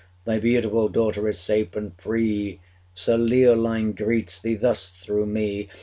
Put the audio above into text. Thy beautiful daughter is safe and free Sir Leoline greets thee thus through me!